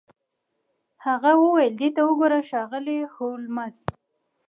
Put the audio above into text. هغه وویل چې دې ته وګوره ښاغلی هولمز